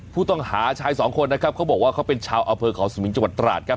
ผู้ชายชายสองคนนะครับเขาบอกว่าเขาเป็นชาวอำเภอเขาสมิงจังหวัดตราดครับ